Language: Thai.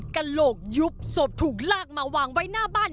กระโหลกยุบศพถูกลากมาวางไว้หน้าบ้าน